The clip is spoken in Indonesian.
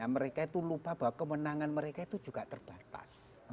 mereka itu lupa bahwa kemenangan mereka itu juga terbatas